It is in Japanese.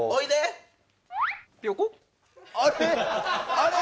あれ！？